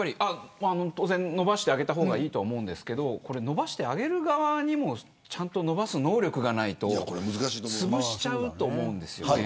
当然伸ばしてあげた方がいいと思いますがこれ、伸ばしてあげる側にもちゃんと伸ばす能力がないとつぶしちゃうと思います。